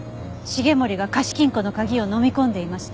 繁森が貸金庫の鍵を飲み込んでいました。